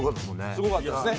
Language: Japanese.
すごかったですね。